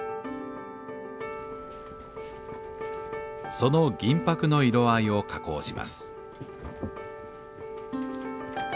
その銀箔の色合いを加工します。